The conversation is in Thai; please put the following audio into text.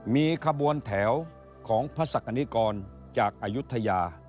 มีขบวนแถวของพระศักดิกรจากอายุทยา